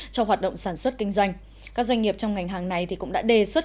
cho hoạt động sản xuất kinh doanh các doanh nghiệp trong ngành hàng này cũng đã đề xuất